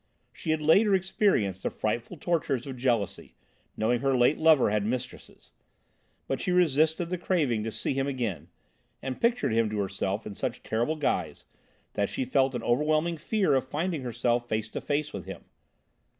She had later experienced the frightful tortures of jealousy, knowing her late lover had mistresses! But she resisted the craving to see him again, and pictured him to herself in such terrible guise that she felt an overwhelming fear of finding herself face to face with him.